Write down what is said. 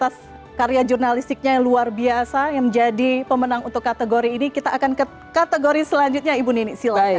atas karya jurnalistiknya yang luar biasa yang menjadi pemenang untuk kategori ini kita akan ke kategori selanjutnya ibu nini silahkan